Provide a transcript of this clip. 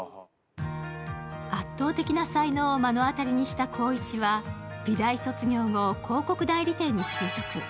圧倒的な才能を目の当たりにした光一は美大卒業後、広告代理店に就職。